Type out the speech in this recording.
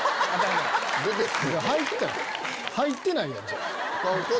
入ってないやんそれ。